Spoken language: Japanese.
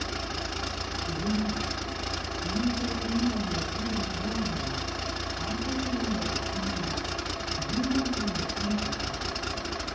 昼前、自民党県議団の入るフロアには反対署名の発起人ら市民団体の姿が。